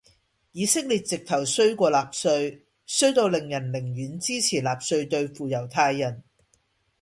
以色列直頭衰過納粹,衰到令人寧願支持納粹對付猶太人。